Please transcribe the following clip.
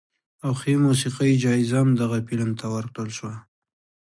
او ښې موسیقۍ جایزه هم دغه فلم ته ورکړل شوه.